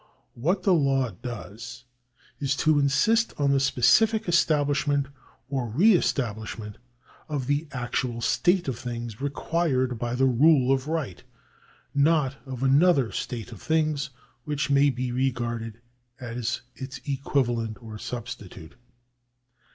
What the law does is to insist on the specific estabhshment or re establish ment of the actual state of things required by the rule of right, not of another state of things which may be regarded as its equivalent or substitute.